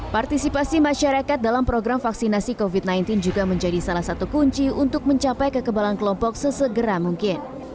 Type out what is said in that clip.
partisipasi masyarakat dalam program vaksinasi covid sembilan belas juga menjadi salah satu kunci untuk mencapai kekebalan kelompok sesegera mungkin